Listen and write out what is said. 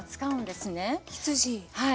はい。